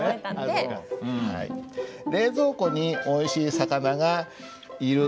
「冷蔵庫においしい魚がいる」。